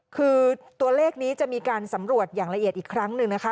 คือตัวเลขนี้จะมีการสำรวจอย่างละเอียดอีกครั้งหนึ่งนะคะ